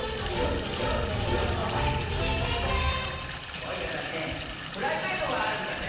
「オイラだってプライベートがあるんだぜ」